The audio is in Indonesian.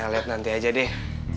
kita lihat nanti aja deh